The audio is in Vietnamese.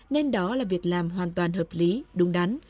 nên đó là việc làm hoàn toàn hợp lý đúng đắn